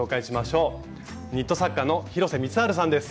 ニット作家の広瀬光治さんです。